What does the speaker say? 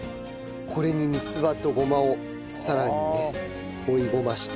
これに三つ葉とごまをさらにね追いごまして。